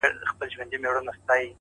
مهرباني زړونه له کینې پاکوي